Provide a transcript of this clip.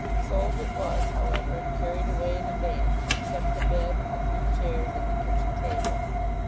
Sold it was, however, and carried away in a van; except the bed, a few chairs, and the kitchen table.